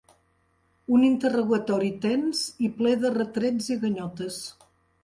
Un interrogatori tens i ple de retrets i ganyotes.